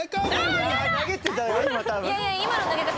いやいや今の投げ方